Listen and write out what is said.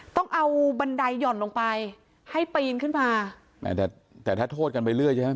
ต้องเอาบันไดหย่อนลงไปให้ปีนขึ้นมาแม้แต่แต่ถ้าโทษกันไปเรื่อยใช่ไหม